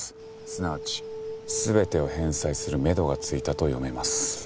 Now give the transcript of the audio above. すなわち全てを返済するめどがついたと読めます。